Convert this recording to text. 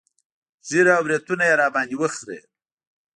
ږيره او برېتونه يې راباندې وخرييل.